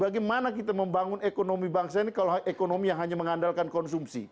bagaimana kita membangun ekonomi bangsa ini kalau ekonomi yang hanya mengandalkan konsumsi